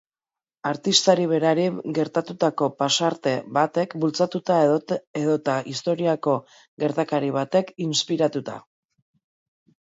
Artistari berari gertatutako pasarte batek bultzatuta edota historiako gertakari batek inspiratuta.